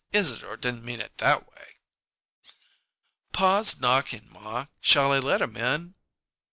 Isadore didn't mean it that way!" "Pa's knocking, ma! Shall I let him in?"